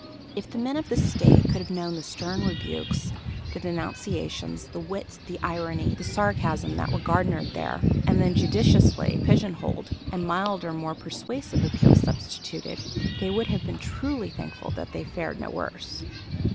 If the men of the State could have known the stern rebukes, the denunciations, the wit, the irony, the sarcasm that were garnered there, and then judiciously pigeonholed and milder and more persuasive appeals substituted, they would have been truly thankful that they fared no worse.